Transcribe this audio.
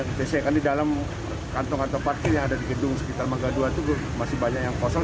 karena di dalam kantor kantor parkir yang ada di gedung sekitar mangga dua itu masih banyak yang kosong